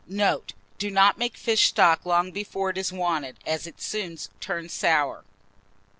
Note. Do not make fish stock long before it is wanted, as it soon turns sour.